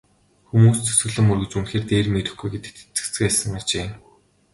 Хүмүүс ч сүсэглэн мөргөж үнэхээр дээрэм ирэхгүй гэдэгт итгэцгээсэн ажээ.